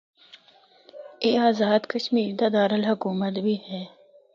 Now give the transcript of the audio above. اے آزاد کشمیر دا دارالحکومت بھی ہے۔